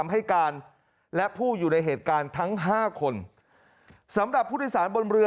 ให้การและผู้อยู่ในเหตุการณ์ทั้งห้าคนสำหรับผู้โดยสารบนเรือ